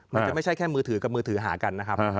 ไม่ใช่แค่มือถือกับมือถือหากันนะครับ